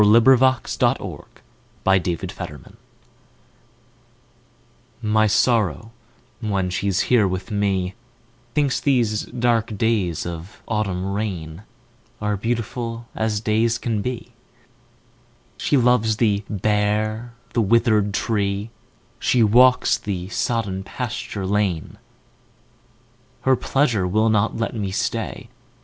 A Boy's Will. 1915. 3. My November Guest MY Sorrow, when she's here with me, Thinks these dark days of autumn rainAre beautiful as days can be; She loves the bare, the withered tree; She walks the sodden pasture lane. Her pleasure will not let me stay.